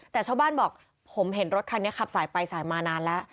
แต่ชาวบ้านบอกผมเห็นรถคันนี้ขับสายไปสายมานานแล้ว